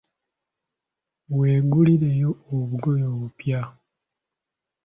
Weegulireyo obugoye obupya.